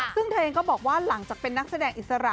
ซึ่งเธอเองก็บอกว่าหลังจากเป็นนักแสดงอิสระ